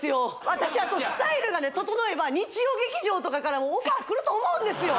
私あとスタイルがね整えば日曜劇場とかからオファー来ると思うんですよ